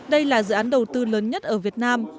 đây là dự án đầu tư lớn nhất ở việt nam